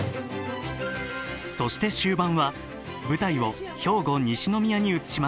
そして終盤は舞台を兵庫西宮に移します。